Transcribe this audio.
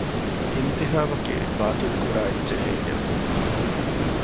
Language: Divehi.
އިންތިޚާބަކީ ބާތިލްކުރާ އެއްޗެއް ހެއްޔެވެ؟